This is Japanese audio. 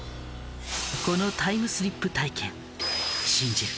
このタイムスリップ体験信じる？